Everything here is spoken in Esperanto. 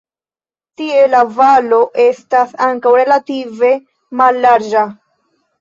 Tie la valo estas ankaŭ relative mallarĝa.